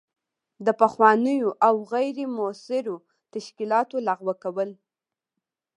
د پخوانیو او غیر مؤثرو تشکیلاتو لغوه کول.